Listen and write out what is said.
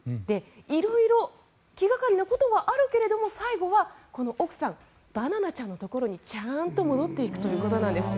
色々気掛かりなことはあるけれども最後はこの奥さんバナナちゃんのところにちゃんと戻っていくということなんです。